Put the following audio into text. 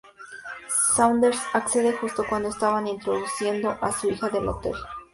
Saunders accede justo cuando estaban introduciendo a su hija al hotel.